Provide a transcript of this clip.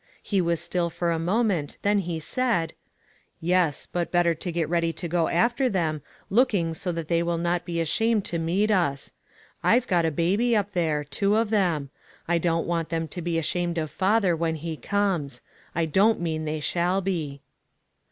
He was still for a moment, then he said: "Yes, but better to get ready to go after them, looking so that they will not be ashamed to meet us. I've got a baby up there — two of them; I don't want them to be ashamed of father, when he comes ; I don't mean they shall be."